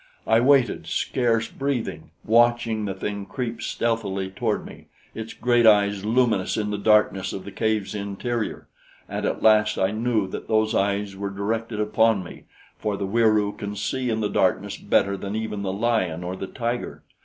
"I waited, scarce breathing, watching the thing creep stealthily toward me, its great eyes luminous in the darkness of the cave's interior, and at last I knew that those eyes were directed upon me, for the Wieroo can see in the darkness better than even the lion or the tiger.